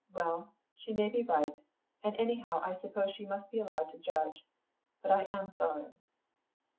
Well, she may be right, and anyhow I suppose she must be allowed to judge. But I am sorry."